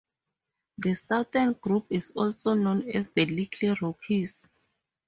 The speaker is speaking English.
The southern group is also known as the "Little Rockies".